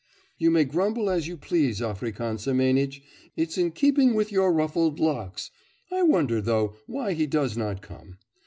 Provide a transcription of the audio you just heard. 'You may grumble as you please, African Semenitch.... It's in keeping with your ruffled locks.... I wonder, though, why he does not come.